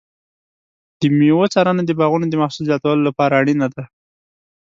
د مېوو څارنه د باغونو د محصول زیاتولو لپاره اړینه ده.